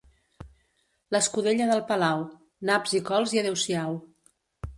L'escudella del palau: naps i cols i adeu-siau.